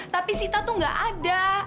tapi sita tuh gak ada